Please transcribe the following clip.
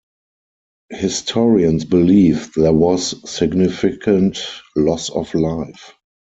Historians believe there was significant loss of life.